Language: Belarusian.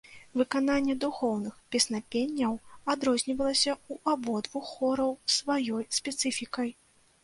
Выкананне духоўных песнапенняў адрознівалася ў абодвух хораў сваёй спецыфікай.